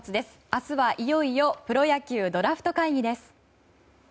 明日はいよいよプロ野球ドラフト会議です。